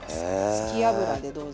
好き油でどうぞ。